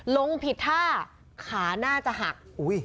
ลงผิดท่าขาน่าจะหัก